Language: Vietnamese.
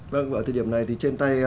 vâng và ở thời điểm này thì trên tay